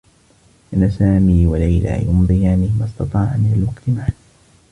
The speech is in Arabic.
كانا سامي و ليلى يمضيان ما استطاعا من الوقت معا.